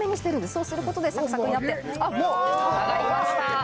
そうすることでサクサクになって、もう揚がりました。